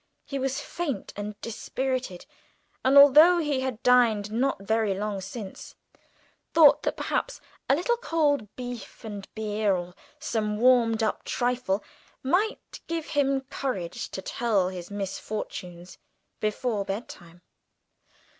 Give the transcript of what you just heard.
He was faint and dispirited, and although he had dined not very long since, thought that perhaps a little cold beef and beer, or some warmed up trifle, might give him courage to tell his misfortunes before bedtime.